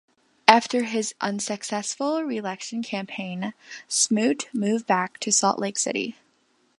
After his unsuccessful reelection campaign, Smoot moved back to Salt Lake City.